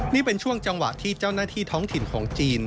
นี่เป็นช่วงจังหวะที่เจ้าหน้าที่ท้องถิ่นของจีน